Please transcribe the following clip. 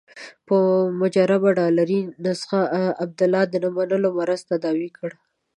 په مجربه ډالري نسخه د عبدالله د نه منلو مرض تداوي کړي.